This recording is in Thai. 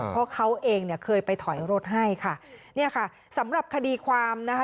เพราะเขาเองเนี่ยเคยไปถอยรถให้ค่ะเนี่ยค่ะสำหรับคดีความนะคะ